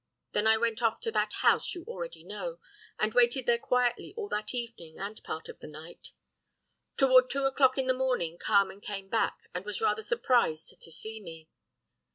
Then I went off to that house you already know, and waited there quietly all that evening and part of the night. Toward two o'clock in the morning Carmen came back, and was rather surprised to see me.